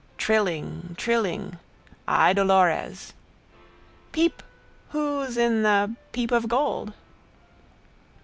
Trilling, trilling: Idolores. Peep! Who's in the... peepofgold?